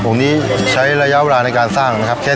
องค์นี้ใช้ระยะเวลาในการสร้างนะครับ